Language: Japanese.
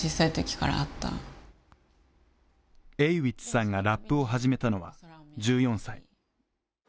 Ａｗｉｃｈさんがラップを始めたのは１４歳。